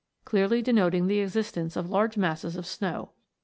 clearly denoting the existence of large masses of snow.